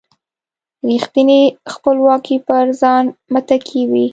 رېښتینې خپلواکي پر ځان متکي وي.